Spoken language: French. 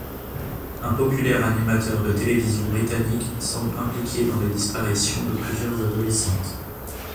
Un populaire animateur de télévision britannique semble impliqué dans les disparitions de plusieurs adolescentes.